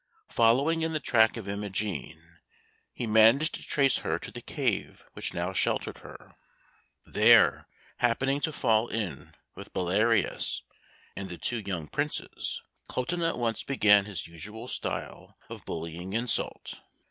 Following in the track of Imogen, he managed to trace her to the cave which now sheltered her. There, happening to fall in with Belarius and the two young Princes, Cloten at once began his usual style of bullying insult.